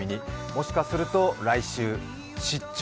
もしかすると来週、「出張！